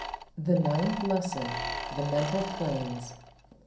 THE NINTH LESSON. THE MENTAL PLANES.